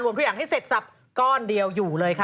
ทุกอย่างให้เสร็จสับก้อนเดียวอยู่เลยค่ะ